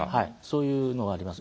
そういうのはあります。